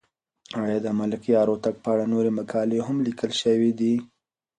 آیا د ملکیار هوتک په اړه نورې مقالې هم لیکل شوې دي؟